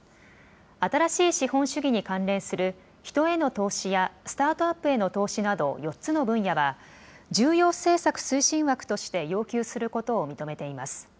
新しい資本主義に関連する人への投資やスタートアップへの投資など、４つの分野は、重要政策推進枠として要求することを認めています。